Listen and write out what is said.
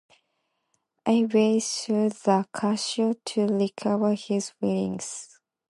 Ivey sued the casino to recover his winnings.